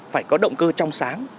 phải có động cơ trong sáng